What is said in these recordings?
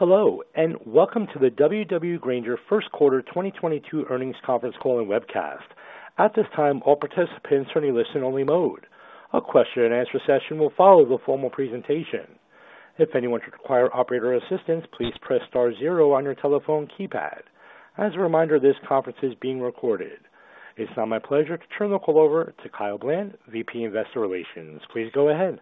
Hello, and welcome to the W.W. Grainger first quarter 2022 earnings conference call and webcast. At this time, all participants are in a listen-only mode. A question-and-answer session will follow the formal presentation. If anyone should require operator assistance, please press star zero on your telephone keypad. As a reminder, this conference is being recorded. It's now my pleasure to turn the call over to Kyle Bland, VP Investor Relations. Please go ahead.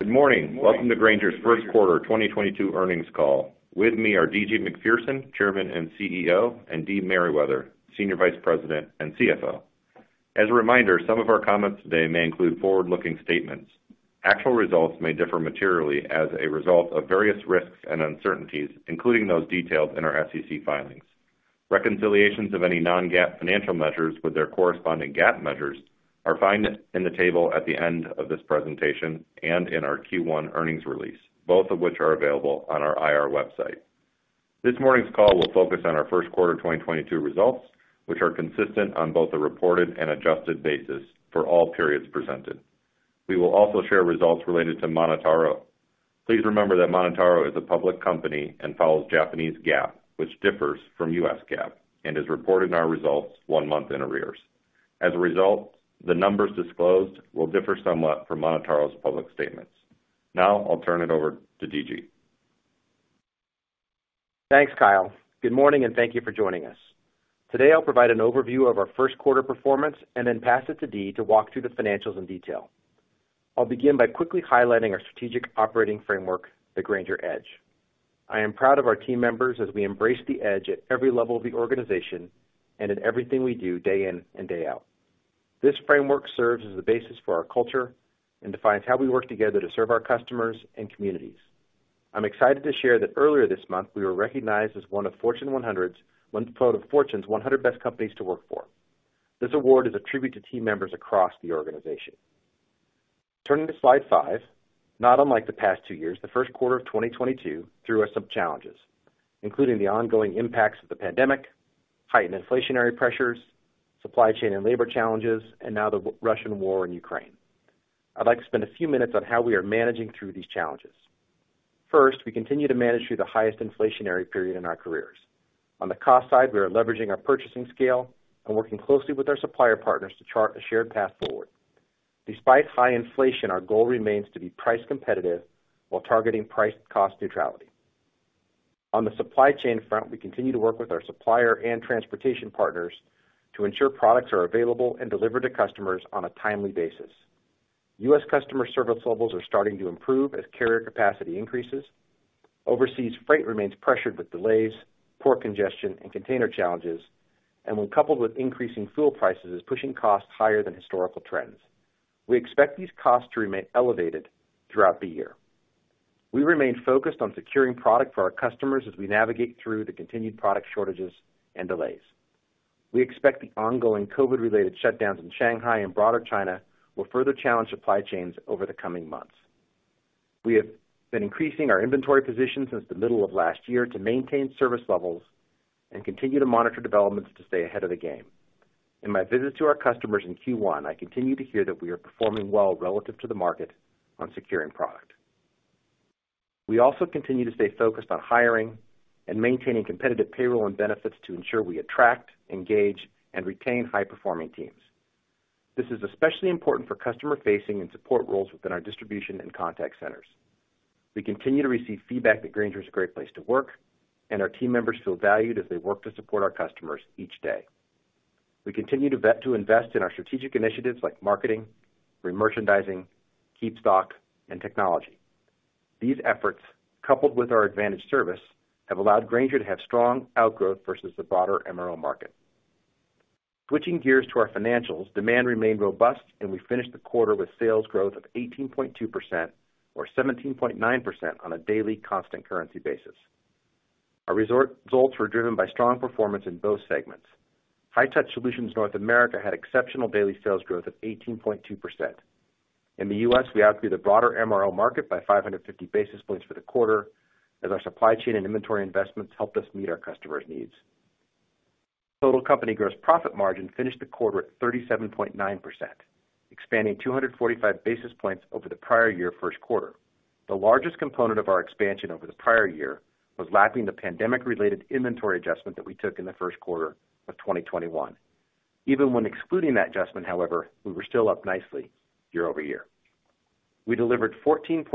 Good morning. Welcome to Grainger's first quarter 2022 earnings call. With me are D.G. Macpherson, Chairman and CEO, and Dee Merriwether, Senior Vice President and CFO. As a reminder, some of our comments today may include forward-looking statements. Actual results may differ materially as a result of various risks and uncertainties, including those detailed in our SEC filings. Reconciliations of any Non-GAAP financial measures with their corresponding GAAP measures are found in the table at the end of this presentation and in our Q1 earnings release, both of which are available on our IR website. This morning's call will focus on our first quarter 2022 results, which are consistent on both a reported and adjusted basis for all periods presented. We will also share results related to MonotaRO. Please remember that MonotaRO is a public company and follows Japanese GAAP, which differs from U.S. GAAP and is reported in our results one month in arrears. As a result, the numbers disclosed will differ somewhat from MonotaRO's public statements. Now I'll turn it over to D.G. Thanks, Kyle. Good morning, and thank you for joining us. Today, I'll provide an overview of our first quarter performance and then pass it to Dee to walk through the financials in detail. I'll begin by quickly highlighting our strategic operating framework, the Grainger Edge. I am proud of our team members as we embrace the Edge at every level of the organization and in everything we do day in and day out. This framework serves as the basis for our culture and defines how we work together to serve our customers and communities. I'm excited to share that earlier this month, we were recognized as one of Fortune's 100 best companies to work for. This award is a tribute to team members across the organization. Turning to slide 5, not unlike the past two years, the first quarter of 2022 threw us some challenges, including the ongoing impacts of the pandemic, heightened inflationary pressures, supply chain and labor challenges, and now the Russian war in Ukraine. I'd like to spend a few minutes on how we are managing through these challenges. First, we continue to manage through the highest inflationary period in our careers. On the cost side, we are leveraging our purchasing scale and working closely with our supplier partners to chart a shared path forward. Despite high inflation, our goal remains to be price competitive while targeting price cost neutrality. On the supply chain front, we continue to work with our supplier and transportation partners to ensure products are available and delivered to customers on a timely basis. U.S. customer service levels are starting to improve as carrier capacity increases. Overseas freight remains pressured with delays, port congestion, and container challenges, and when coupled with increasing fuel prices, is pushing costs higher than historical trends. We expect these costs to remain elevated throughout the year. We remain focused on securing product for our customers as we navigate through the continued product shortages and delays. We expect the ongoing COVID-related shutdowns in Shanghai and broader China will further challenge supply chains over the coming months. We have been increasing our inventory position since the middle of last year to maintain service levels and continue to monitor developments to stay ahead of the game. In my visits to our customers in Q1, I continue to hear that we are performing well relative to the market on securing product. We also continue to stay focused on hiring and maintaining competitive payroll and benefits to ensure we attract, engage, and retain high-performing teams. This is especially important for customer-facing and support roles within our distribution and contact centers. We continue to receive feedback that Grainger is a great place to work, and our team members feel valued as they work to support our customers each day. We continue to invest in our strategic initiatives like marketing, remerchandising, KeepStock, and technology. These efforts, coupled with our advantage service, have allowed Grainger to have strong outgrowth versus the broader MRO market. Switching gears to our financials, demand remained robust, and we finished the quarter with sales growth of 18.2% or 17.9% on a daily constant currency basis. Our results were driven by strong performance in both segments. High Touch Solutions North America had exceptional daily sales growth of 18.2%. In the U.S., we outgrew the broader MRO market by 550 basis points for the quarter as our supply chain and inventory investments helped us meet our customers' needs. Total company gross profit margin finished the quarter at 37.9%, expanding 245 basis points over the prior year first quarter. The largest component of our expansion over the prior year was lacking the pandemic-related inventory adjustment that we took in the first quarter of 2021. Even when excluding that adjustment, however, we were still up nicely year-over-year. We delivered 14.6%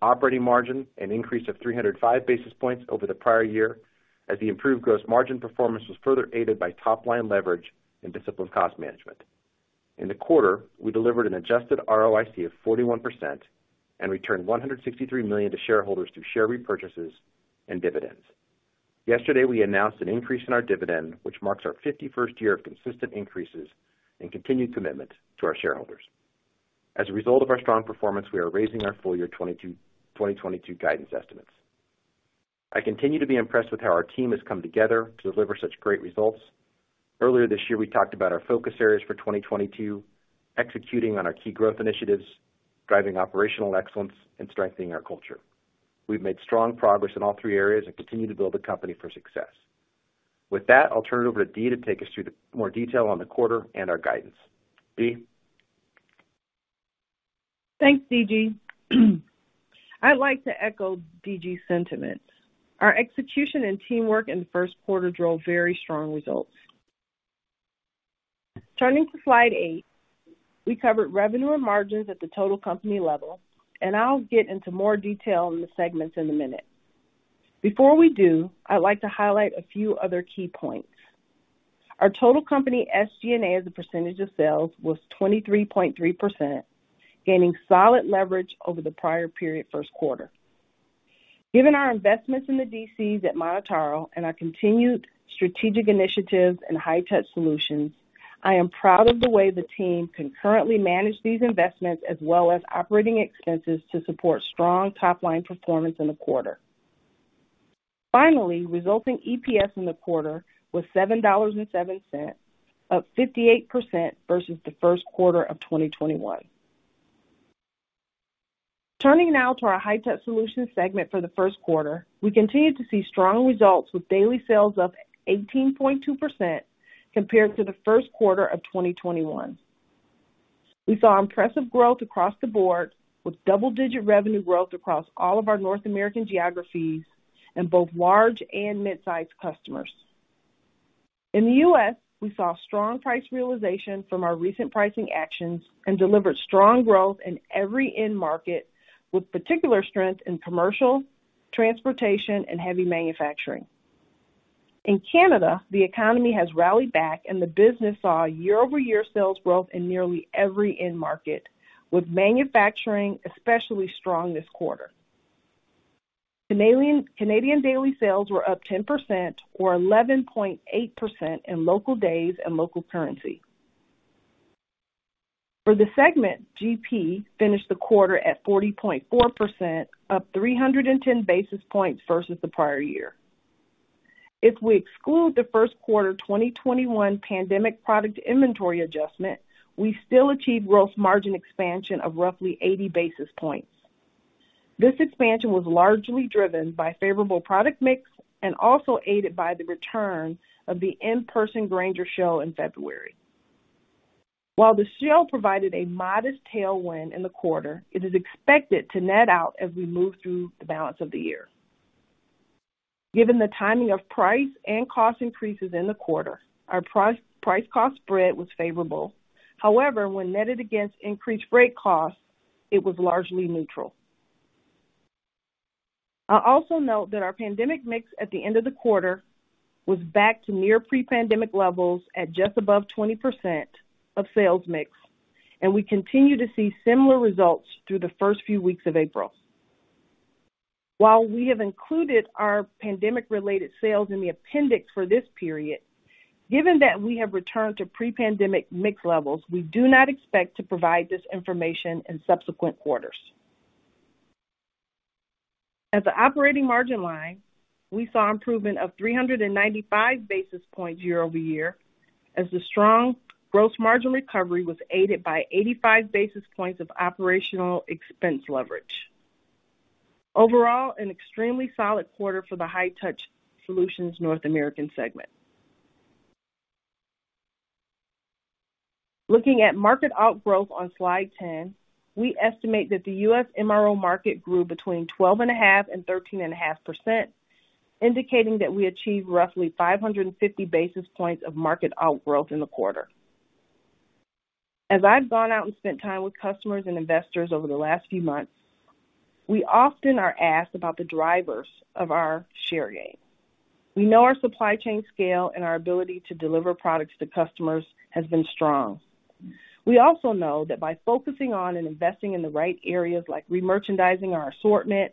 operating margin, an increase of 305 basis points over the prior year, as the improved gross margin performance was further aided by top-line leverage and disciplined cost management. In the quarter, we delivered an adjusted ROIC of 41% and returned $163 million to shareholders through share repurchases and dividends. Yesterday, we announced an increase in our dividend, which marks our 51st year of consistent increases and continued commitment to our shareholders. As a result of our strong performance, we are raising our full-year 2022 guidance estimates. I continue to be impressed with how our team has come together to deliver such great results. Earlier this year, we talked about our focus areas for 2022, executing on our key growth initiatives, driving operational excellence, and strengthening our culture. We've made strong progress in all three areas and continue to build the company for success. With that, I'll turn it over to Dee to take us through the more detail on the quarter and our guidance. Dee? Thanks, D.G. I'd like to echo D.G.'s sentiments. Our execution and teamwork in the first quarter drove very strong results. Turning to slide 8, we covered revenue and margins at the total company level, and I'll get into more detail on the segments in a minute. Before we do, I'd like to highlight a few other key points. Our total company SG&A as a percentage of sales was 23.3%, gaining solid leverage over the prior period first quarter. Given our investments in the DCs at MonotaRO and our continued strategic initiatives in High Touch Solutions, I am proud of the way the team concurrently managed these investments as well as operating expenses to support strong top-line performance in the quarter. Finally, resulting EPS in the quarter was $7.07, up 58% versus the first quarter of 2021. Turning now to our High Touch Solutions segment for the first quarter, we continued to see strong results with daily sales up 18.2% compared to the first quarter of 2021. We saw impressive growth across the board, with double-digit revenue growth across all of our North American geographies in both large and mid-sized customers. In the U.S., we saw strong price realization from our recent pricing actions and delivered strong growth in every end market, with particular strength in commercial, transportation, and heavy manufacturing. In Canada, the economy has rallied back and the business saw year-over-year sales growth in nearly every end market, with manufacturing especially strong this quarter. Canadian daily sales were up 10% or 11.8% in local days and local currency. For the segment, GP finished the quarter at 40.4%, up 310 basis points versus the prior year. If we exclude the first quarter 2021 pandemic product inventory adjustment, we still achieved gross margin expansion of roughly 80 basis points. This expansion was largely driven by favorable product mix and also aided by the return of the in-person Grainger Show in February. While the show provided a modest tailwind in the quarter, it is expected to net out as we move through the balance of the year. Given the timing of price and cost increases in the quarter, our price-cost spread was favorable. However, when netted against increased freight costs, it was largely neutral. I'll also note that our pandemic mix at the end of the quarter was back to near pre-pandemic levels at just above 20% of sales mix, and we continue to see similar results through the first few weeks of April. While we have included our pandemic-related sales in the appendix for this period, given that we have returned to pre-pandemic mix levels, we do not expect to provide this information in subsequent quarters. At the operating margin line, we saw improvement of 395 basis points year-over-year as the strong gross margin recovery was aided by 85 basis points of operational expense leverage. Overall, an extremely solid quarter for the High Touch Solutions North America segment. Looking at market outgrowth on slide 10, we estimate that the U.S. MRO market grew between 12.5% and 13.5%, indicating that we achieved roughly 550 basis points of market outgrowth in the quarter. I've gone out and spent time with customers and investors over the last few months, we often are asked about the drivers of our share gain. We know our supply chain scale and our ability to deliver products to customers has been strong. We also know that by focusing on and investing in the right areas like remerchandising our assortment,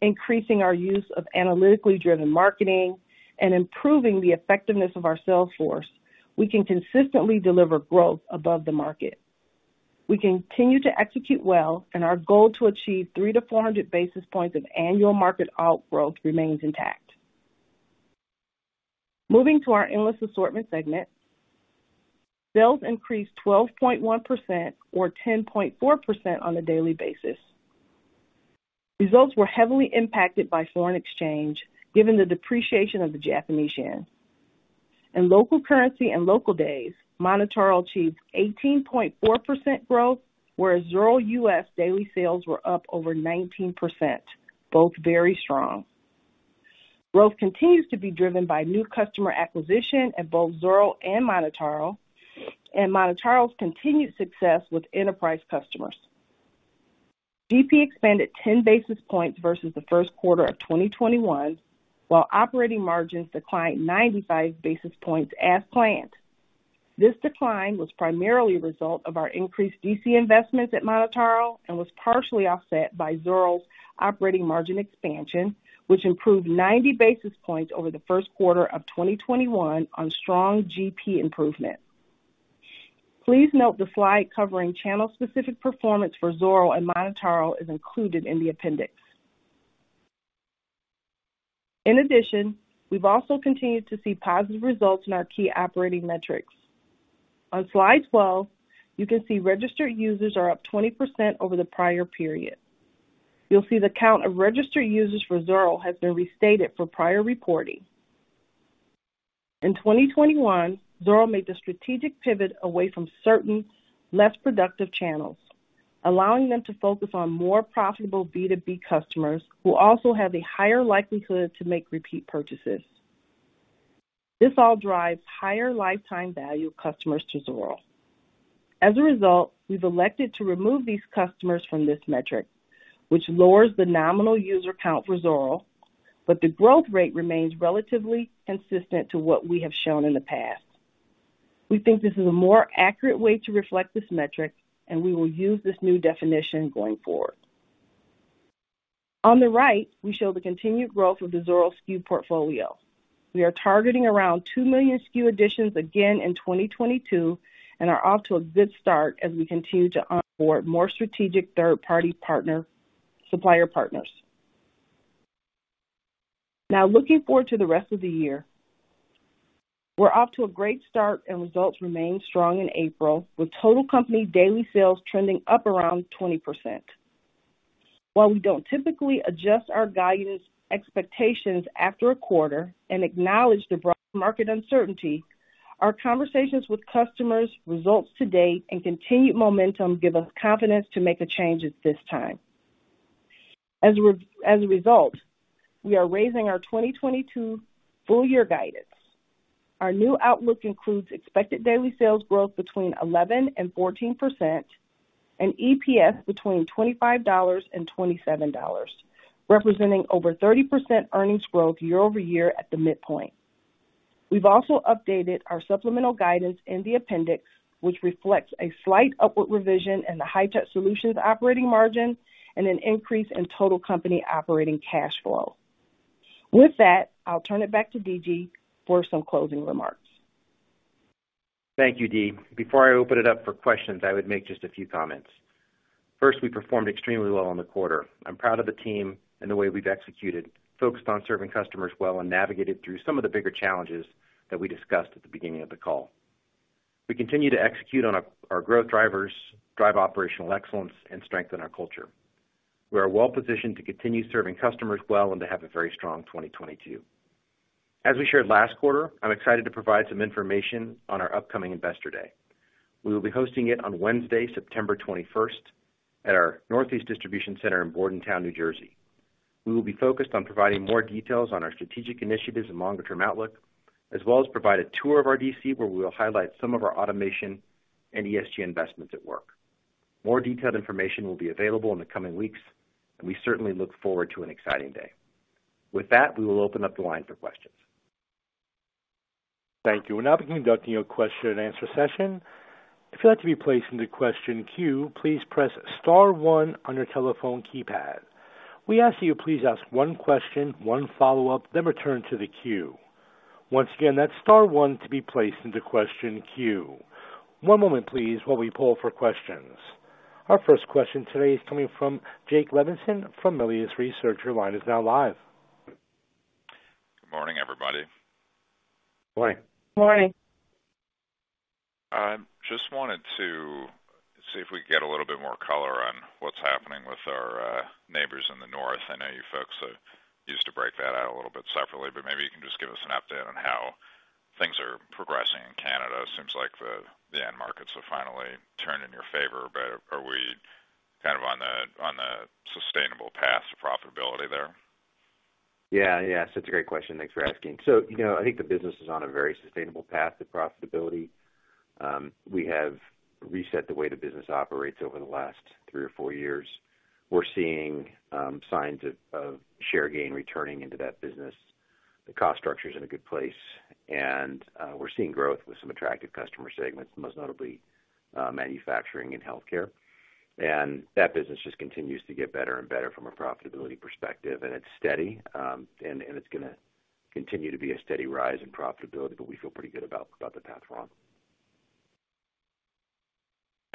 increasing our use of analytically driven marketing, and improving the effectiveness of our sales force, we can consistently deliver growth above the market. We continue to execute well, and our goal to achieve 300-400 basis points of annual market outgrowth remains intact. Moving to our Endless Assortment segment, sales increased 12.1% or 10.4% on a daily basis. Results were heavily impacted by foreign exchange, given the depreciation of the Japanese yen. In local currency and local days, MonotaRO achieved 18.4% growth, whereas Zoro U.S. daily sales were up over 19%, both very strong. Growth continues to be driven by new customer acquisition at both Zoro and MonotaRO, and MonotaRO's continued success with enterprise customers. GP expanded 10 basis points versus the first quarter of 2021, while operating margins declined 95 basis points as planned. This decline was primarily a result of our increased DC investments at MonotaRO and was partially offset by Zoro's operating margin expansion, which improved 90 basis points over the first quarter of 2021 on strong GP improvement. Please note the slide covering channel-specific performance for Zoro and MonotaRO is included in the appendix. In addition, we've also continued to see positive results in our key operating metrics. On slide 12, you can see registered users are up 20% over the prior period. You'll see the count of registered users for Zoro has been restated for prior reporting. In 2021, Zoro made the strategic pivot away from certain less productive channels, allowing them to focus on more profitable B2B customers who also have a higher likelihood to make repeat purchases. This all drives higher lifetime value of customers to Zoro. As a result, we've elected to remove these customers from this metric, which lowers the nominal user count for Zoro, but the growth rate remains relatively consistent to what we have shown in the past. We think this is a more accurate way to reflect this metric, and we will use this new definition going forward. On the right, we show the continued growth of the Zoro SKU portfolio. We are targeting around 2 million SKU additions again in 2022 and are off to a good start as we continue to onboard more strategic third-party partner, supplier partners. Now looking forward to the rest of the year. We're off to a great start, and results remained strong in April, with total company daily sales trending up around 20%. While we don't typically adjust our guidance expectations after a quarter and acknowledge the broad market uncertainty, our conversations with customers, results to date, and continued momentum give us confidence to make a change at this time. As a result, we are raising our 2022 full year guidance. Our new outlook includes expected daily sales growth between 11% and 14% and EPS between $25 and $27, representing over 30% earnings growth year-over-year at the midpoint. We've also updated our supplemental guidance in the appendix, which reflects a slight upward revision in the High Touch Solutions operating margin and an increase in total company operating cash flow. With that, I'll turn it back to D.G. for some closing remarks. Thank you, Dee. Before I open it up for questions, I would make just a few comments. First, we performed extremely well in the quarter. I'm proud of the team and the way we've executed, focused on serving customers well, and navigated through some of the bigger challenges that we discussed at the beginning of the call. We continue to execute on our growth drivers, drive operational excellence, and strengthen our culture. We are well positioned to continue serving customers well and to have a very strong 2022. As we shared last quarter, I'm excited to provide some information on our upcoming Investor Day. We will be hosting it on Wednesday, September 21st, at our Northeast Distribution Center in Bordentown, New Jersey. We will be focused on providing more details on our strategic initiatives and longer term outlook, as well as provide a tour of our DC, where we will highlight some of our automation and ESG investments at work. More detailed information will be available in the coming weeks, and we certainly look forward to an exciting day. With that, we will open up the line for questions. Thank you. We'll now be conducting your question and answer session. If you'd like to be placed into question queue, please press star one on your telephone keypad. We ask that you please ask one question, one follow-up, then return to the queue. Once again, that's star one to be placed into question queue. One moment please, while we poll for questions. Our first question today is coming from Jake Levinson from Melius Research. Your line is now live. Good morning, everybody. Morning. Morning. Just wanted to see if we could get a little bit more color on what's happening with our neighbors in the north. I know you folks used to break that out a little bit separately, but maybe you can just give us an update on how things are progressing in Canada. Seems like the end markets have finally turned in your favor, but are we kind of on a sustainable path to profitability there? Yeah. Yeah, such a great question. Thanks for asking. So, you know, I think the business is on a very sustainable path to profitability. We have reset the way the business operates over the last three or four years. We're seeing signs of share gain returning into that business. The cost structure is in a good place, and we're seeing growth with some attractive customer segments, most notably manufacturing and healthcare. That business just continues to get better and better from a profitability perspective. It's steady, and it's gonna continue to be a steady rise in profitability, but we feel pretty good about the path forward.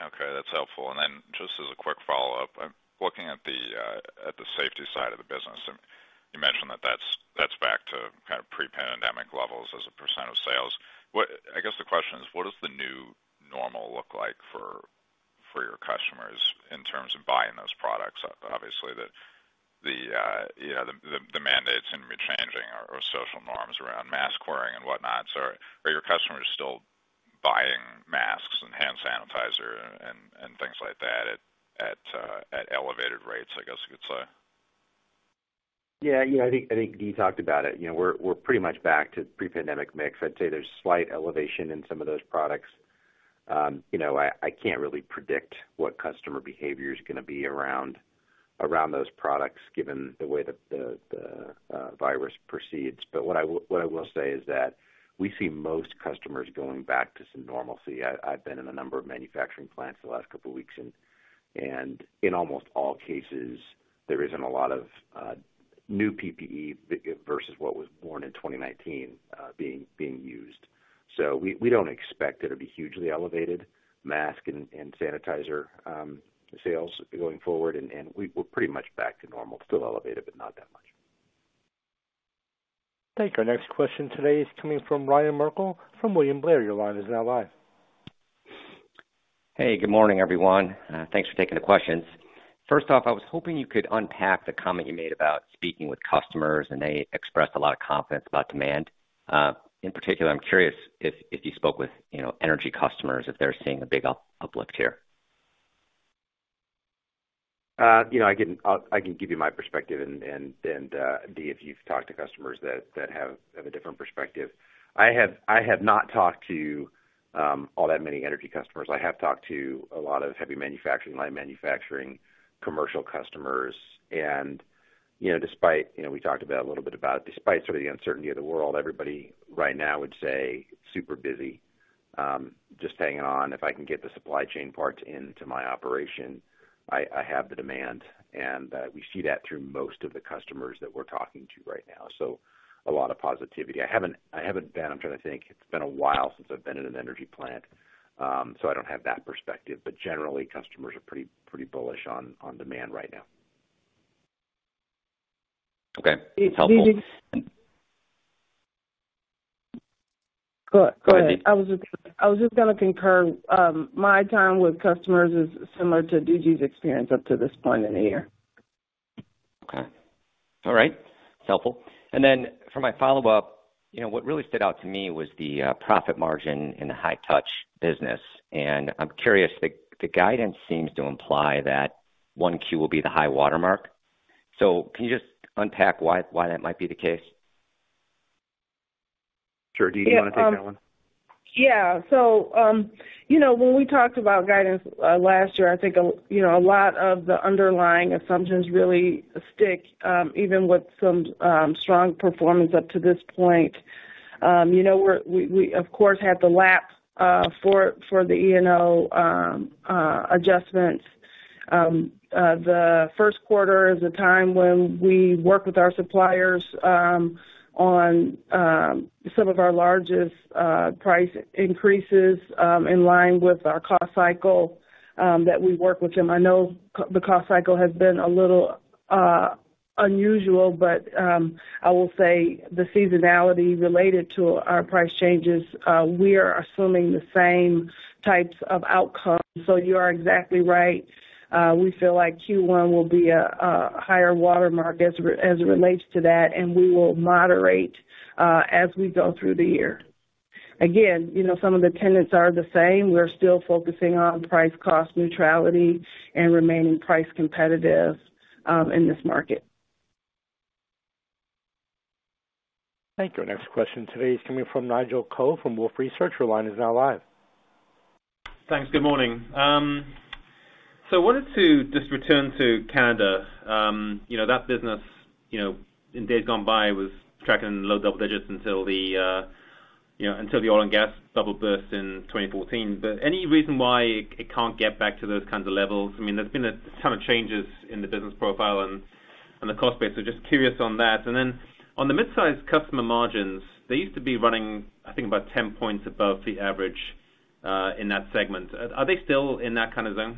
Okay, that's helpful. Then just as a quick follow-up, I'm looking at the safety side of the business, and you mentioned that that's back to kind of pre-pandemic levels as a % of sales. I guess the question is, what does the new normal look like for your customers in terms of buying those products? Obviously, you know, the mandates gonna be changing or social norms around mask wearing and whatnot. Are your customers still buying masks and hand sanitizer and things like that at elevated rates, I guess you could say? Yeah. You know, I think Dee talked about it. You know, we're pretty much back to pre-pandemic mix. I'd say there's slight elevation in some of those products. You know, I can't really predict what customer behavior is gonna be around those products given the way the virus proceeds. But what I will say is that we see most customers going back to some normalcy. I've been in a number of manufacturing plants the last couple weeks, and in almost all cases, there isn't a lot of new PPE versus what was worn in 2019 being used. So we don't expect it'll be hugely elevated mask and sanitizer sales going forward, and we're pretty much back to normal. Still elevated, but not that much. Thank you. Our next question today is coming from Ryan Merkel from William Blair. Your line is now live. Hey, good morning, everyone. Thanks for taking the questions. First off, I was hoping you could unpack the comment you made about speaking with customers, and they expressed a lot of confidence about demand. In particular, I'm curious if you spoke with, you know, energy customers, if they're seeing a big uplift here. You know, I can give you my perspective and Dee, if you've talked to customers that have a different perspective. I have not talked to all that many energy customers. I have talked to a lot of heavy manufacturing, light manufacturing, commercial customers. You know, despite sort of the uncertainty of the world, everybody right now would say super busy, just hanging on. If I can get the supply chain parts into my operation, I have the demand, and we see that through most of the customers that we're talking to right now. So a lot of positivity. It's been a while since I've been in an energy plant, so I don't have that perspective. Generally, customers are pretty bullish on demand right now. Okay. That's helpful. Dee, Go ahead, Dee. I was just gonna concur, my time with customers is similar to DG's experience up to this point in the year. Okay. All right. It's helpful. Then for my follow-up, you know, what really stood out to me was the profit margin in the High Touch business. I'm curious, the guidance seems to imply that 1Q will be the high watermark. Can you just unpack why that might be the case? Sure. Dee, do you wanna take that one? Yeah. You know, when we talked about guidance last year, I think, you know, a lot of the underlying assumptions really stick, even with some strong performance up to this point. You know, we of course had the LIFO for the LIFO adjustments. The first quarter is a time when we work with our suppliers on some of our largest price increases in line with our cost cycle that we work with them. I know the cost cycle has been a little unusual, but I will say the seasonality related to our price changes, we are assuming the same types of outcomes. You are exactly right. We feel like Q1 will be a higher watermark as it relates to that, and we will moderate as we go through the year. Again, you know, some of the tenets are the same. We're still focusing on price-cost neutrality and remaining price-competitive in this market. Thank you. Our next question today is coming from Nigel Coe from Wolfe Research. Your line is now live. Thanks. Good morning. I wanted to just return to Canada. You know, that business, you know, in days gone by, was tracking low double digits until the, you know, until the oil and gas bubble burst in 2014. Any reason why it can't get back to those kinds of levels? I mean, there's been a ton of changes in the business profile and the cost base. Just curious on that. On the midsize customer margins, they used to be running, I think, about 10 points above the average, in that segment. Are they still in that kind of zone?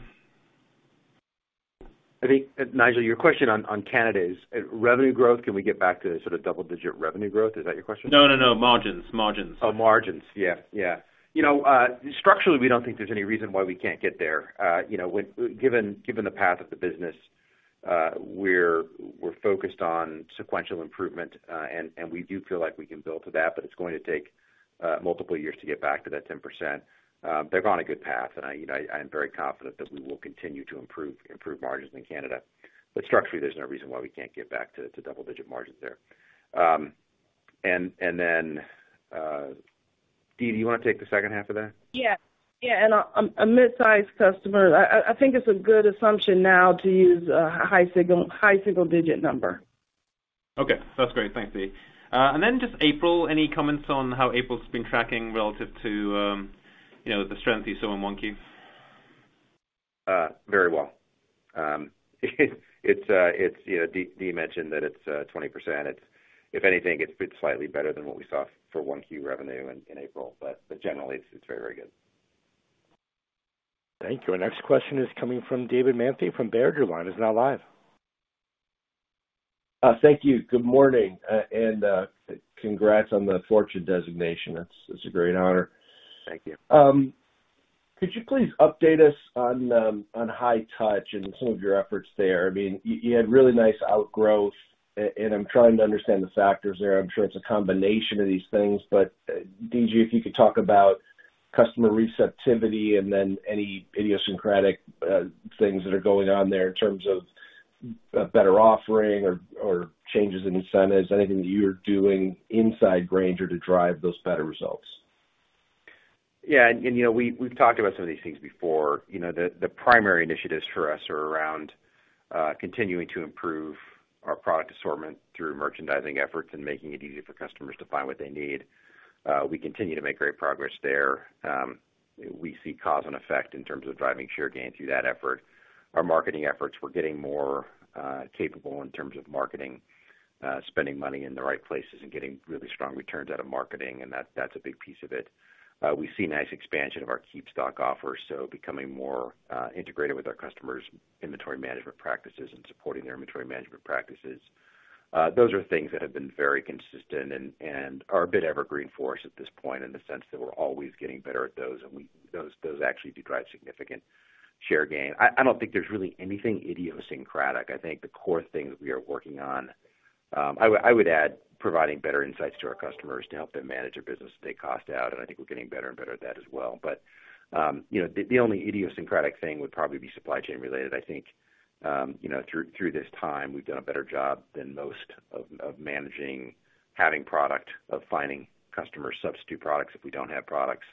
I think, Nigel, your question on Canada is revenue growth. Can we get back to sort of double digit revenue growth? Is that your question? No. Margins. Oh, margins. Yeah, yeah. You know, structurally, we don't think there's any reason why we can't get there. You know, given the path of the business, we're focused on sequential improvement. We do feel like we can build to that, but it's going to take multiple years to get back to that 10%. They're on a good path, and I you know I am very confident that we will continue to improve margins in Canada. Structurally, there's no reason why we can't get back to double-digit margins there. Dee, do you wanna take the second half of that? Yeah. Yeah, a midsize customer, I think it's a good assumption now to use a high single digit number. Okay. That's great. Thanks, Dee. Just April, any comments on how April's been tracking relative to the strength you saw in one Q? Very well. It's, you know, Dee mentioned that it's 20%. It's, if anything, it's been slightly better than what we saw for 1Q revenue in April. Generally it's very good. Thank you. Our next question is coming from David Manthey from Baird. Your line is now live. Thank you. Good morning. Congrats on the Fortune designation. That's a great honor. Thank you. Could you please update us on High Touch and some of your efforts there? I mean, you had really nice outgrowth, and I'm trying to understand the factors there. I'm sure it's a combination of these things. D.G., if you could talk about customer receptivity and then any idiosyncratic things that are going on there in terms of better offering or changes in incentives, anything that you're doing inside Grainger to drive those better results. Yeah. You know, we've talked about some of these things before. You know, the primary initiatives for us are around continuing to improve our product assortment through merchandising efforts and making it easy for customers to find what they need. We continue to make great progress there. We see cause and effect in terms of driving share gain through that effort. Our marketing efforts, we're getting more capable in terms of marketing, spending money in the right places and getting really strong returns out of marketing, and that's a big piece of it. We see nice expansion of our KeepStock offers, so becoming more integrated with our customers' inventory management practices and supporting their inventory management practices. Those are things that have been very consistent and are a bit evergreen for us at this point in the sense that we're always getting better at those and those actually do drive significant share gain. I don't think there's really anything idiosyncratic. I think the core things we are working on. I would add providing better insights to our customers to help them manage their business, take cost out, and I think we're getting better and better at that as well. You know, the only idiosyncratic thing would probably be supply chain related. I think you know, through this time, we've done a better job than most of managing having product, of finding customer substitute products if we don't have products,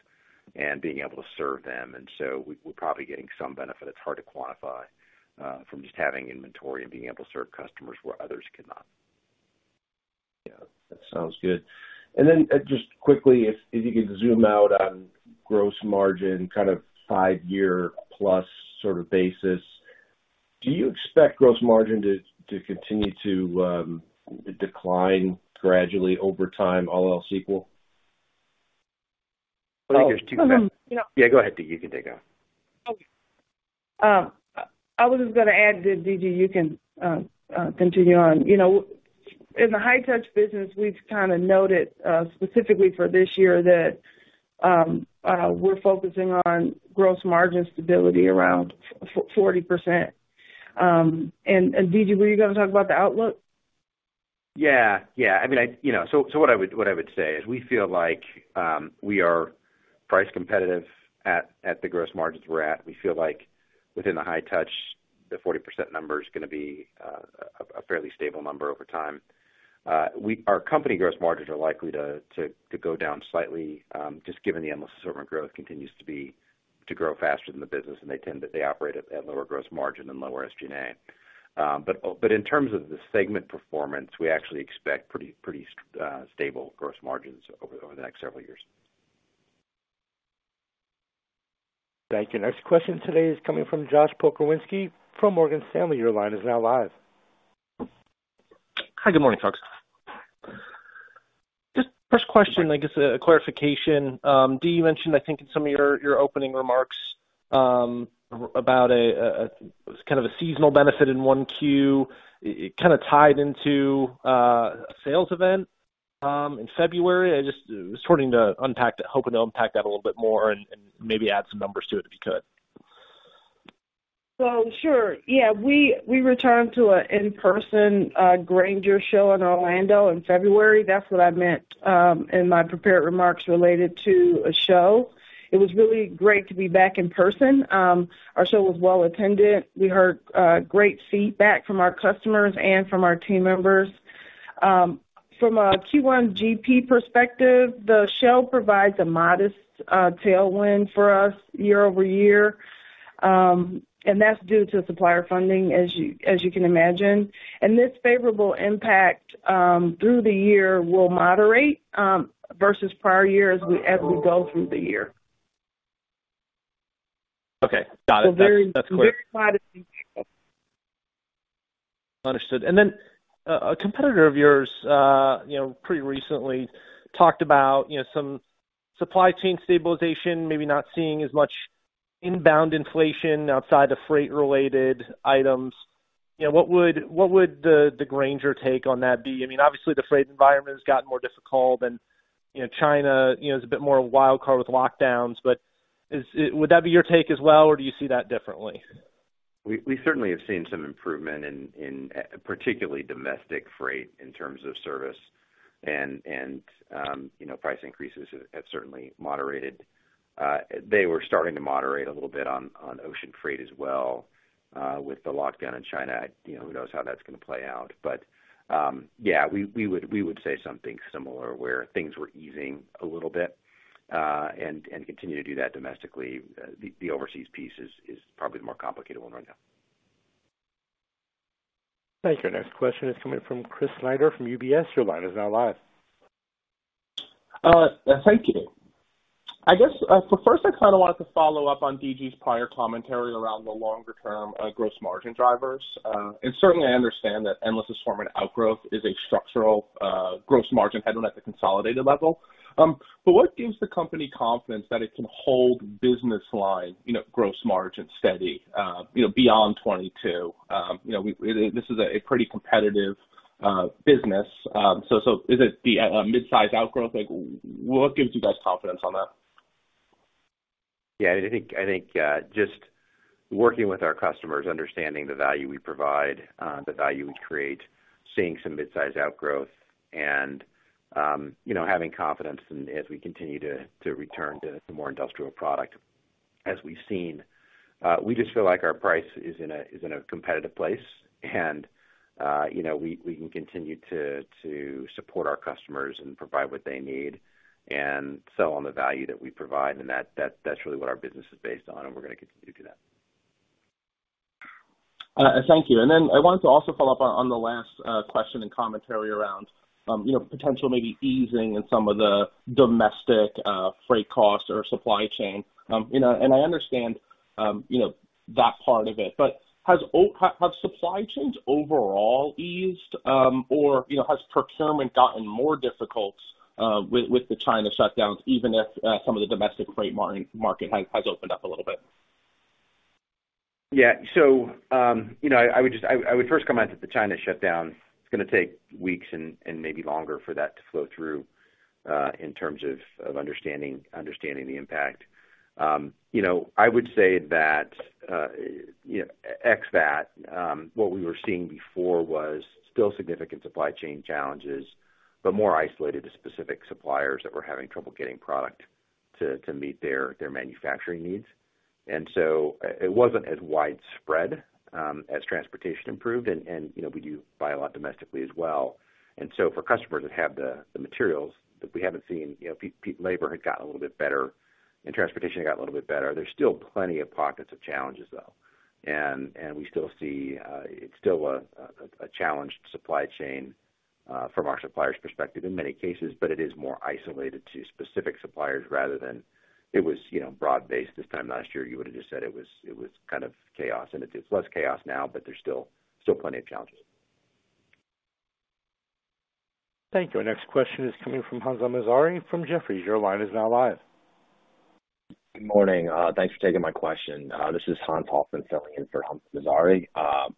and being able to serve them. We're probably getting some benefit. It's hard to quantify from just having inventory and being able to serve customers where others cannot. Yeah, that sounds good. Then just quickly, if you could zoom out on gross margin, kind of 5+ years sort of basis, do you expect gross margin to continue to decline gradually over time, all else equal? Yeah, go ahead, Dee. You can take it. Okay. I was just gonna add that, D.G., you can continue on. You know, in the High Touch business, we've kinda noted specifically for this year that we're focusing on gross margin stability around 40%. D.G., were you gonna talk about the outlook? I mean, I'd say is we feel like we are price competitive at the gross margins we're at. We feel like within the High Touch, the 40% number is gonna be a fairly stable number over time. Our company gross margins are likely to go down slightly, just given the Endless Assortment growth continues to grow faster than the business, and they tend to operate at lower gross margin and lower SG&A. But in terms of the segment performance, we actually expect pretty stable gross margins over the next several years. Thank you. Next question today is coming from Josh Pokrzywinski from Morgan Stanley. Your line is now live. Hi, good morning, folks. Just first question, I guess a clarification. Dee, you mentioned, I think in some of your opening remarks, about a kind of a seasonal benefit in 1Q. It kinda tied into a sales event in February. I just was starting to unpack that, hoping to unpack that a little bit more and maybe add some numbers to it if you could. Well, sure. Yeah, we returned to an in-person Grainger Show in Orlando in February. That's what I meant in my prepared remarks related to a show. It was really great to be back in person. Our show was well attended. We heard great feedback from our customers and from our team members. From a Q1 GP perspective, the show provides a modest tailwind for us year-over-year, and that's due to supplier funding, as you can imagine. This favorable impact through the year will moderate versus prior years as we go through the year. Okay. Got it. That's clear. Very, very modest impact. Understood. A competitor of yours, you know, pretty recently talked about, you know, some supply chain stabilization, maybe not seeing as much inbound inflation outside of freight related items. You know, what would the Grainger take on that be? I mean, obviously the freight environment has gotten more difficult and, you know, China, you know, is a bit more of a wild card with lockdowns. But would that be your take as well, or do you see that differently? We certainly have seen some improvement in particular domestic freight in terms of service. You know, price increases have certainly moderated. They were starting to moderate a little bit on ocean freight as well, with the lockdown in China. You know, who knows how that's gonna play out. Yeah, we would say something similar where things were easing a little bit, and continue to do that domestically. The overseas piece is probably the more complicated one right now. Thank you. Next question is coming from Chris Snyder from UBS. Your line is now live. Thank you. I guess, for first, I kind of wanted to follow up on D.G.'s prior commentary around the longer-term gross margin drivers. Certainly I understand that Endless Assortment outgrowth is a structural gross margin headwind at the consolidated level. What gives the company confidence that it can hold business line, you know, gross margin steady, you know, beyond 2022? This is a pretty competitive business. Is it the midsize outgrowth? Like what gives you guys confidence on that? Yeah, I think just working with our customers, understanding the value we provide, the value we create, seeing some midsize outgrowth and, you know, having confidence in as we continue to return to more industrial product as we've seen, we just feel like our price is in a competitive place, and, you know, we can continue to support our customers and provide what they need and sell on the value that we provide. That's really what our business is based on, and we're gonna continue to do that. Thank you. Then I wanted to also follow up on the last question and commentary around, you know, potential maybe easing in some of the domestic, freight costs or supply chain. You know, and I understand, you know, that part of it. But have supply chains overall eased? Or, you know, has procurement gotten more difficult, with the China shutdowns, even if, some of the domestic freight market has opened up a little bit? I would first comment that the China shutdown, it's gonna take weeks and maybe longer for that to flow through in terms of understanding the impact. You know, I would say that absent that, what we were seeing before was still significant supply chain challenges, but more isolated to specific suppliers that were having trouble getting product to meet their manufacturing needs. It wasn't as widespread as transportation improved. You know, we do buy a lot domestically as well. For customers that have the materials, but we haven't seen labor had gotten a little bit better and transportation had got a little bit better. There's still plenty of pockets of challenges, though. We still see it's still a challenged supply chain from our suppliers' perspective in many cases, but it is more isolated to specific suppliers rather than it was, you know, broad-based. This time last year, you would have just said it was kind of chaos. It's less chaos now, but there's still plenty of challenges. Thank you. Our next question is coming from Hamzah Mazari from Jefferies. Your line is now live. Good morning. Thanks for taking my question. This is Hans Hoffman filling in for Hamzah Mazari.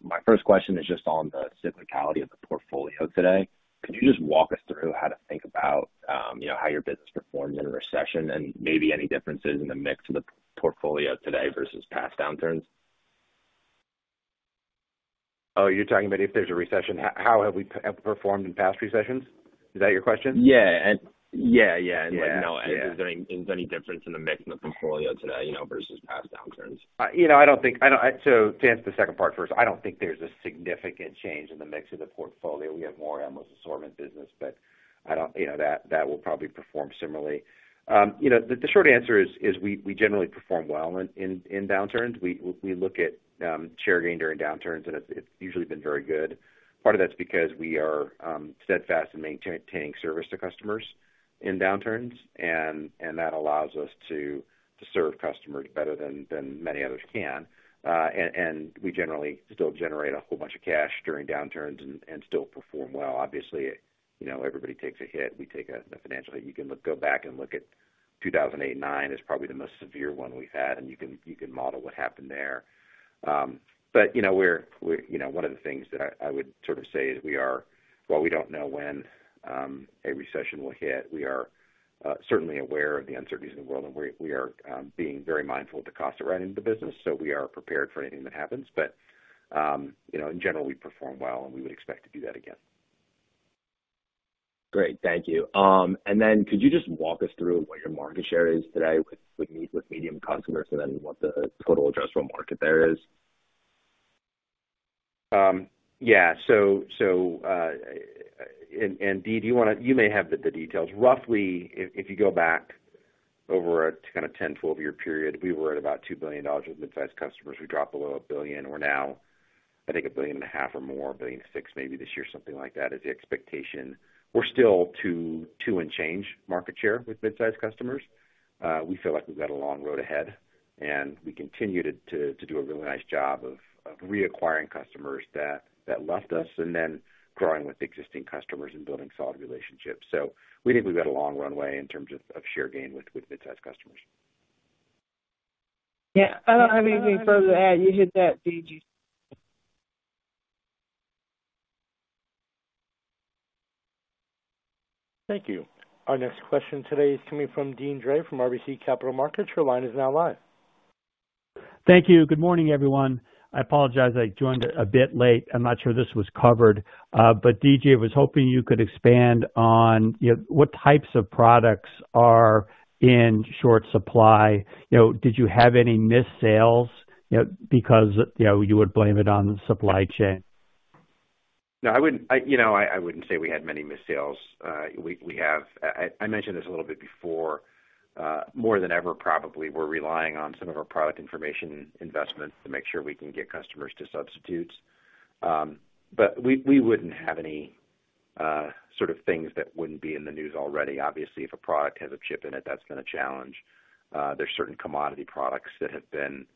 My first question is just on the cyclicality of the portfolio today. Could you just walk us through how to think about, you know, how your business performs in a recession and maybe any differences in the mix of the portfolio today versus past downturns? Oh, you're talking about if there's a recession, how have we performed in past recessions? Is that your question? Yeah. Yeah. Yeah. Yeah. Like, you know, if there's any difference in the mix in the portfolio today, you know, versus past downturns. You know, to answer the second part first, I don't think there's a significant change in the mix of the portfolio. We have more Amazon assortment business, but you know, that will probably perform similarly. You know, the short answer is we generally perform well in downturns. We look at share gain during downturns, and it's usually been very good. Part of that's because we are steadfast in maintaining service to customers in downturns. That allows us to serve customers better than many others can. We generally still generate a whole bunch of cash during downturns and still perform well. Obviously, you know, everybody takes a hit. We take a financial hit. You can go back and look at 2008 and 2009 is probably the most severe one we've had, and you can model what happened there. You know, one of the things that I would sort of say is, while we don't know when a recession will hit, we are certainly aware of the uncertainties in the world, and we are being very mindful of the cost of running the business, so we are prepared for anything that happens. You know, in general, we perform well, and we would expect to do that again. Great. Thank you. Could you just walk us through what your market share is today with medium customers and then what the total addressable market there is? Dee, do you wanna? You may have the details. Roughly, if you go back over a kind of 10-12-year period, we were at about $2 billion with midsize customers. We dropped below $1 billion. We're now I think $1.5 billion or more, $1.6 billion maybe this year, something like that is the expectation. We're still 2% and change market share with midsize customers. We feel like we've got a long road ahead, and we continue to do a really nice job of reacquiring customers that left us and then growing with existing customers and building solid relationships. We think we've got a long runway in terms of share gain with midsize customers. Yeah. I don't have anything further to add. You hit that, D.G.. Thank you. Our next question today is coming from Deane Dray from RBC Capital Markets. Your line is now live. Thank you. Good morning, everyone. I apologize, I joined a bit late. I'm not sure this was covered. D.G., I was hoping you could expand on, you know, what types of products are in short supply. You know, did you have any missed sales, you know, because, you know, you would blame it on the supply chain? No, I wouldn't. You know, I wouldn't say we had many missed sales. I mentioned this a little bit before. More than ever, probably, we're relying on some of our product information investment to make sure we can get customers to substitutes. We wouldn't have any sort of things that wouldn't be in the news already. Obviously, if a product has a chip in it, that's been a challenge. There's certain commodity products that have been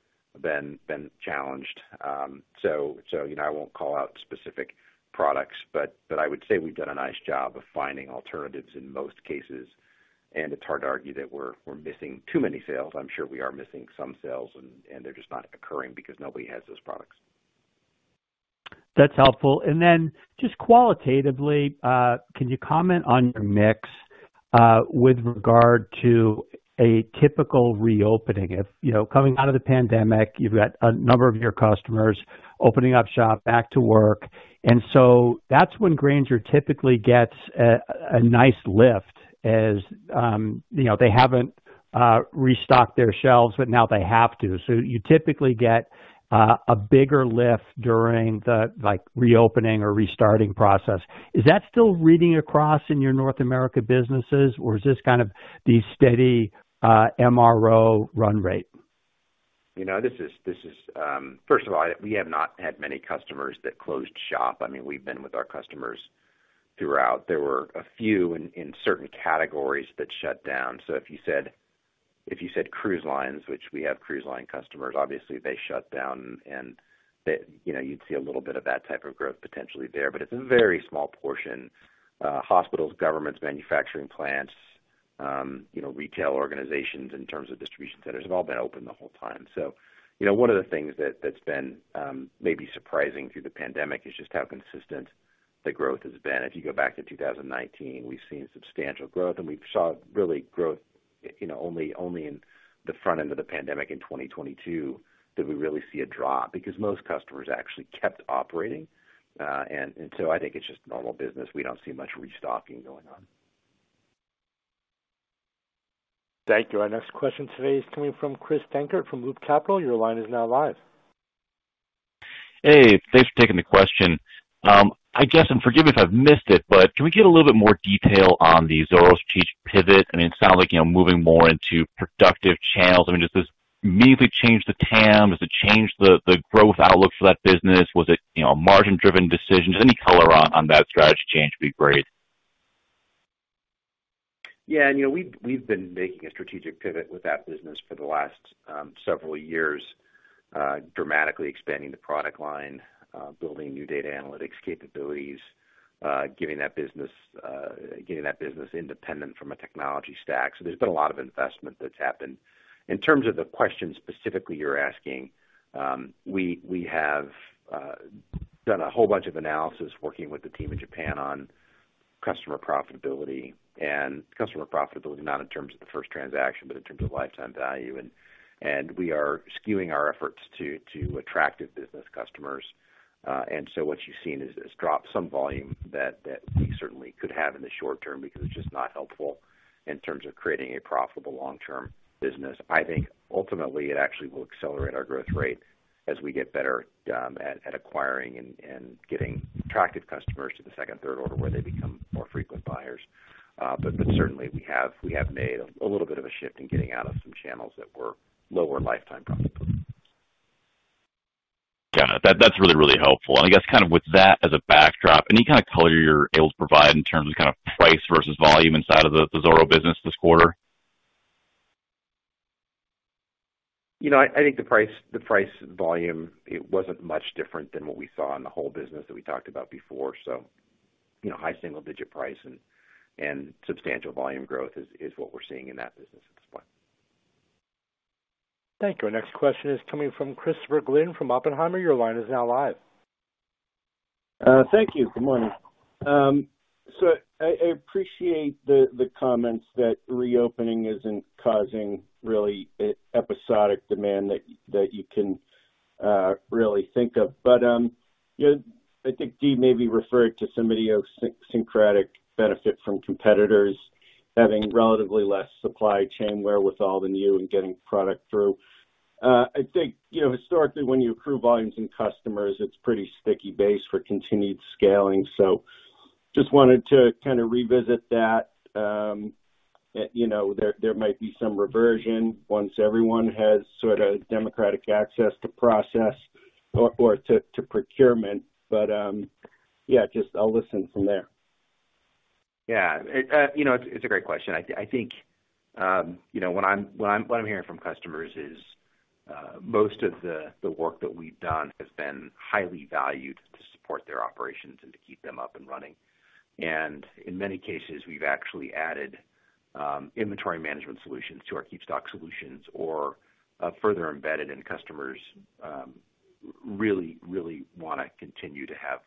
challenged. You know, I won't call out specific products. I would say we've done a nice job of finding alternatives in most cases, and it's hard to argue that we're missing too many sales. I'm sure we are missing some sales, and they're just not occurring because nobody has those products. That's helpful. Just qualitatively, can you comment on your mix with regard to a typical reopening? If you know, coming out of the pandemic, you've got a number of your customers opening up shop back to work, and so that's when Grainger typically gets a nice lift as you know, they haven't restocked their shelves, but now they have to. You typically get a bigger lift during the like reopening or restarting process. Is that still reading across in your North America businesses or is this kind of the steady MRO run rate? You know, this is. First of all, we have not had many customers that closed shop. I mean, we've been with our customers throughout. There were a few in certain categories that shut down. If you said cruise lines, which we have cruise line customers, obviously they shut down. You know, you'd see a little bit of that type of growth potentially there, but it's a very small portion. Hospitals, governments, manufacturing plants, you know, retail organizations in terms of distribution centers have all been open the whole time. You know, one of the things that's been maybe surprising through the pandemic is just how consistent the growth has been. If you go back to 2019, we've seen substantial growth, and we've seen real growth, you know, only in the front end of the pandemic in 2022 did we really see a drop because most customers actually kept operating. I think it's just normal business. We don't see much restocking going on. Thank you. Our next question today is coming from Chris Dankert from Loop Capital. Your line is now live. Hey, thanks for taking the question. I guess, and forgive me if I've missed it, but can we get a little bit more detail on the Zoro strategic pivot? I mean, it sounds like, you know, moving more into productive channels. I mean, does this meaningfully change the TAM? Does it change the growth outlook for that business? Was it, you know, a margin-driven decision? Just any color on that strategy change would be great. Yeah. You know, we've been making a strategic pivot with that business for the last several years, dramatically expanding the product line, building new data analytics capabilities, getting that business independent from a technology stack. There's been a lot of investment that's happened. In terms of the question specifically you're asking, we have done a whole bunch of analysis working with the team in Japan on customer profitability, not in terms of the first transaction, but in terms of lifetime value. We are skewing our efforts to attractive business customers. What you've seen is a drop in some volume that we certainly could have in the short term because it's just not helpful in terms of creating a profitable long-term business. I think ultimately it actually will accelerate our growth rate as we get better at acquiring and getting attractive customers to the second, third order where they become more frequent buyers. But certainly we have made a little bit of a shift in getting out of some channels that were lower lifetime profitability. Got it. That's really, really helpful. I guess kind of with that as a backdrop, any kind of color you're able to provide in terms of kind of price versus volume inside of the Zoro business this quarter? You know, I think the price volume, it wasn't much different than what we saw in the whole business that we talked about before. You know, high single digit price and substantial volume growth is what we're seeing in that business at this point. Thank you. Our next question is coming from Christopher Glynn from Oppenheimer. Your line is now live. Thank you. Good morning. I appreciate the comments that reopening isn't causing really episodic demand that you can really think of. You know, I think Dee may be referring to some idiosyncratic benefit from competitors having relatively less supply chain wherewithal than you in getting product through. I think, you know, historically, when you accrue volumes in customers, it's pretty sticky base for continued scaling. Just wanted to kind of revisit that, you know, there might be some reversion once everyone has sort of democratic access to product or to procurement. Yeah, just I'll listen from there. Yeah. You know, it's a great question. I think you know, what I'm hearing from customers is most of the work that we've done has been highly valued to support their operations and to keep them up and running. In many cases, we've actually added inventory management solutions to our KeepStock solutions or further embedded in customers really wanna continue to have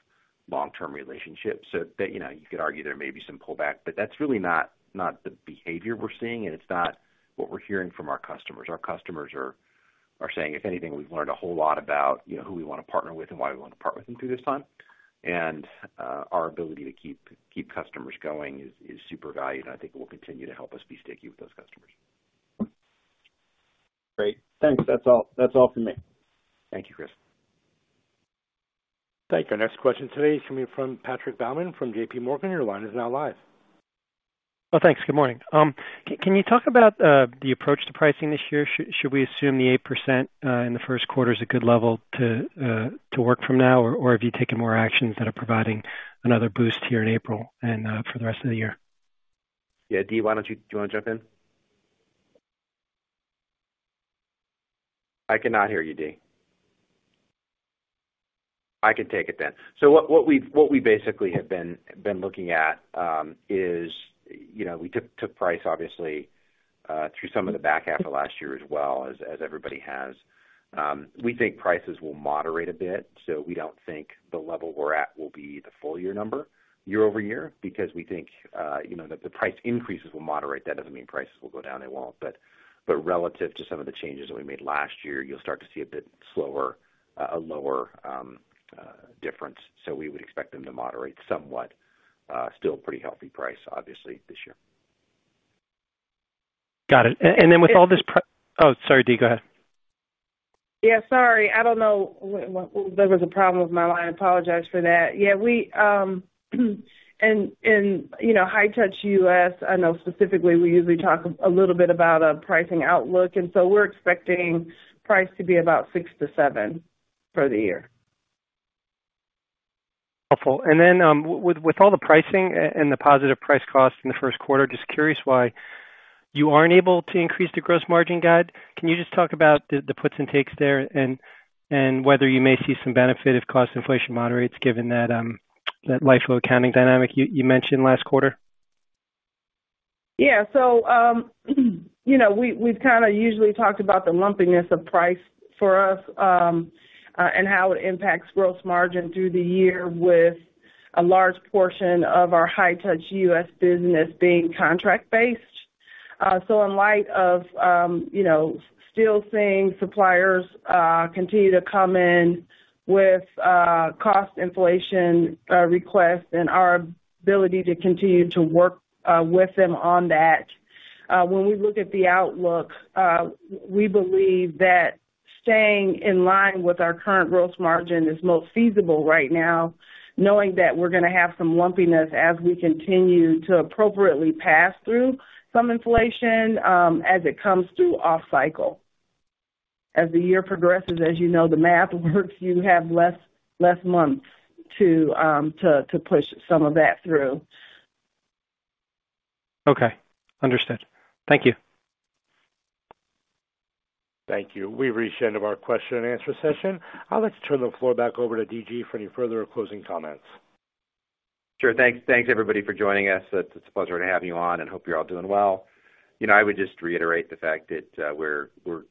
long-term relationships. You know, you could argue there may be some pullback, but that's really not the behavior we're seeing, and it's not what we're hearing from our customers. Our customers are saying, if anything, we've learned a whole lot about you know, who we wanna partner with and why we wanna partner with them through this time. Our ability to keep customers going is super valued, and I think it will continue to help us be sticky with those customers. Great. Thanks. That's all for me. Thank you, Chris. Thank you. Our next question today is coming from Patrick Baumann from J.P. Morgan. Your line is now live. Oh, thanks. Good morning. Can you talk about the approach to pricing this year? Should we assume the 8% in the first quarter is a good level to work from now? Or have you taken more action instead of providing another boost here in April and for the rest of the year? Yeah. Dee, do you wanna jump in? I cannot hear you, Dee. I can take it then. What we basically have been looking at is, you know, we took price obviously through some of the back half of last year as well as everybody has. We think prices will moderate a bit, so we don't think the level we're at will be the full-year number year-over-year because we think, you know, that the price increases will moderate. That doesn't mean prices will go down, they won't. Relative to some of the changes that we made last year, you'll start to see a bit slower, a lower difference. We would expect them to moderate somewhat. Still pretty healthy price obviously this year. Got it. Oh, sorry, Dee. Go ahead. Yeah, sorry. I don't know. There was a problem with my line. I apologize for that. Yeah, you know, High Touch U.S., I know specifically we usually talk a little bit about a pricing outlook, and so we're expecting price to be about 6%-7% for the year. Helpful. With all the pricing and the positive price-cost in the first quarter, just curious why you aren't able to increase the gross margin guide. Can you just talk about the puts and takes there and whether you may see some benefit if cost inflation moderates given that LIFO accounting dynamic you mentioned last quarter? Yeah. We've kinda usually talked about the lumpiness of price for us, and how it impacts gross margin through the year with a large portion of our high touch U.S. business being contract-based. In light of you know still seeing suppliers continue to come in with cost inflation requests and our ability to continue to work with them on that, when we look at the outlook, we believe that staying in line with our current gross margin is most feasible right now, knowing that we're gonna have some lumpiness as we continue to appropriately pass through some inflation, as it comes through off cycle. As the year progresses, as you know, the math works, you have less months to push some of that through. Okay. Understood. Thank you. Thank you. We've reached the end of our question and answer session. I'd like to turn the floor back over to D.G. for any further closing comments. Sure. Thanks, everybody for joining us. It's a pleasure to have you on, and hope you're all doing well. You know, I would just reiterate the fact that we're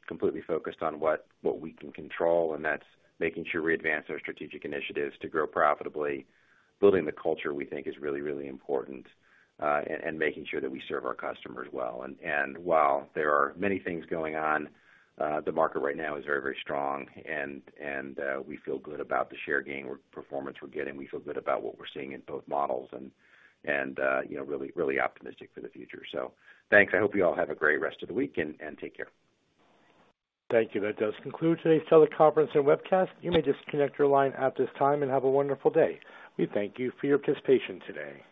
completely focused on what we can control, and that's making sure we advance our strategic initiatives to grow profitably. Building the culture we think is really important, and making sure that we serve our customers well. While there are many things going on, the market right now is very strong, and we feel good about the performance we're getting. We feel good about what we're seeing in both models, and you know, really optimistic for the future. Thanks. I hope you all have a great rest of the week and take care. Thank you. That does conclude today's teleconference and webcast. You may disconnect your line at this time and have a wonderful day. We thank you for your participation today.